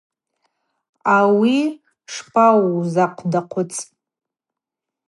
Ауи шпаузахъвдаквыцӏ?